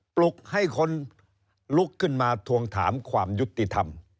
ปลุกให้คนลุกขึ้นมาทวงถามความยุติธรรม